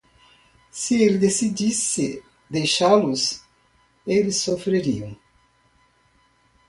Se ele decidisse deixá-los?, eles sofreriam.